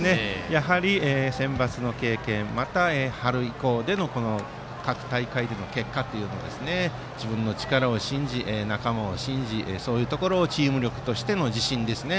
センバツの経験また春以降での各大会での結果が自分の力を信じ、仲間を信じそういうところをチーム力としての自信ですね。